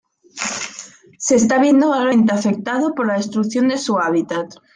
Se está viendo gravemente afectado por la destrucción de su hábitat.